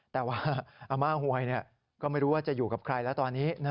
แต่ว่าอาม่าหวยก็ไม่รู้ว่าจะอยู่กับใครแล้วตอนนี้